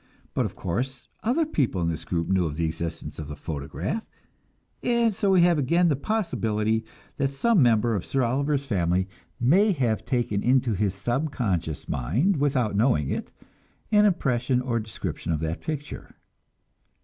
But, of course, other people in this group knew of the existence of the photograph, and so we have again the possibility that some member of Sir Oliver's family may have taken into his subconscious mind without knowing it an impression or description of that picture.